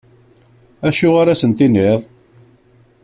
Acu ara asen-tinniḍ?